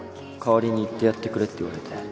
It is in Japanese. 代わりに行ってやってくれって言われて